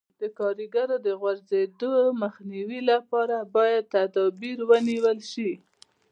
د کاریګرو د غورځېدو مخنیوي لپاره باید تدابیر ونیول شي.